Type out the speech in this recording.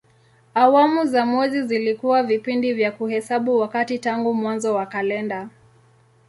Awamu za mwezi zilikuwa vipindi vya kuhesabu wakati tangu mwanzo wa kalenda.